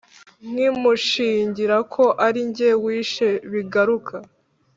nkimushingira ko ari jye wishe bigaruka